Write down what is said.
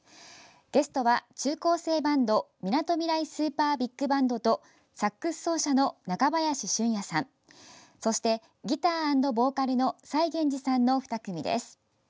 ゲストは、中高生バンドみなとみらいＳｕｐｅｒＢｉｇＢａｎｄとサックス奏者の中林俊也さんそして、ギター＆ボーカルのＳａｉｇｅｎｊｉさんの２組です。